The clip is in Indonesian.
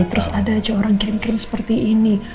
terus ada aja orang kirim kirim seperti ini